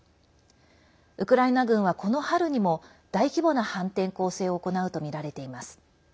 ウクライナ軍は、この春にも大規模な反転攻勢を行うとみられています。